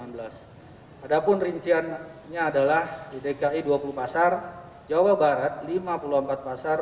padahal rinciannya adalah di dki dua puluh pasar jawa barat lima puluh empat pasar